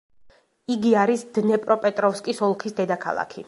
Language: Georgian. იგი არის დნეპროპეტროვსკის ოლქის დედაქალაქი.